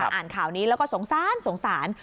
อ่านข่าวนี้แล้วก็สงสาร